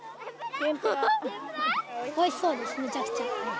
おいしそうです、めちゃくちゃ。